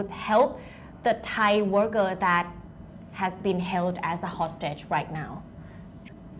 เราผ่านพวกศูนย์ศูนย์การการกำทักษะเกี่ยวกับมิสัย